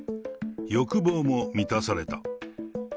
欲望も満たされた。